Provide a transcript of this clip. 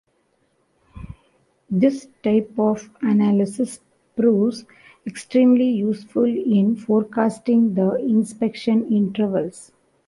This type of analysis proves extremely useful in forecasting the inspection intervals.